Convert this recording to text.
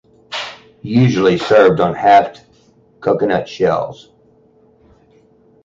Usually served on halved coconut shells.